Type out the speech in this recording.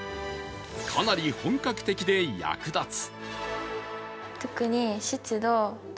かなり本格的で役立つ。